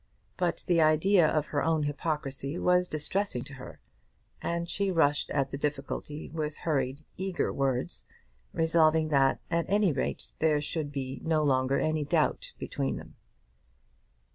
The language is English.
But the idea of her own hypocrisy was distressing to her, and she rushed at the difficulty with hurried, eager words, resolving that, at any rate, there should be no longer any doubt between them.